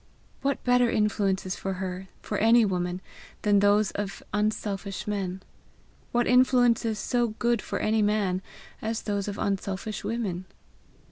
What better influences for her, for any woman, than those of unselfish men? what influences so good for any man as those of unselfish women?